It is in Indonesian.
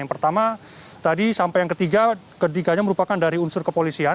yang pertama tadi sampai yang ketiga ketiganya merupakan dari unsur kepolisian